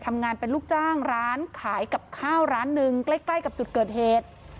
ทำงานเป็นลูกจ้างร้านขายกับข้าวร้านหนึ่งใกล้กับจุดเกิดเหตุ